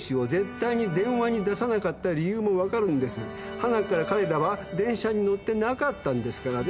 端っから彼らは電車に乗ってなかったんですからね。